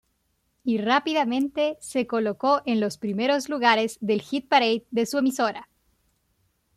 Y rápidamente se colocó en los primeros lugares del ‘hit parade’ de su emisora.